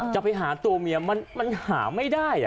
จะไปหาตัวเมียมันหาไม่ได้